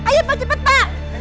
ayo pak cepet pak